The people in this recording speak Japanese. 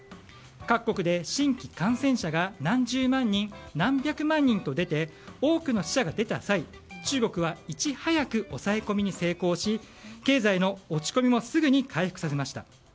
各国で新規感染者が何十万、何百万人と出て多くの死者が出た際中国はいち早く抑え込みに成功し経済の落ち込みもすぐに回復させました。